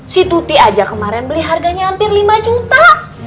si tuti aja kemarin beli harganya hampir lima juta